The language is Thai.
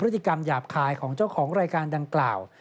พฤติกรรมหยาบคายของเจ้าของรายการดังกล่าว